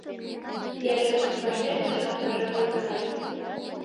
— Пешак, — вашештыш г-жа Вайкаи.